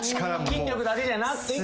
筋力だけじゃなく。